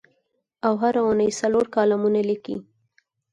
او هره اوونۍ څلور کالمونه لیکي.